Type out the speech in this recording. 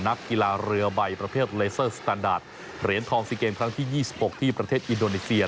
นักกีฬาเรือใบประเภทเลเซอร์สตานดาร์ดเหรียญทองซีเกมครั้งที่๒๖ที่ประเทศอินโดนีเซีย